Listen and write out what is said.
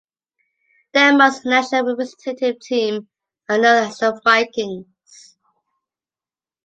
Denmark's national representative team are known as the Vikings.